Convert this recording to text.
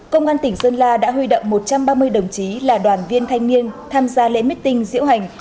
công an tỉnh sơn la đã huy động một trăm ba mươi đồng chí là đoàn viên thanh niên tham gia lễ meeting diễu hành